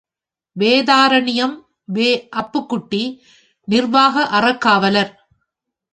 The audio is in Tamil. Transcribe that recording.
வேதாரண்யம் வே. அப்பாக்குட்டி, நிர்வாக அறங்காவலர்.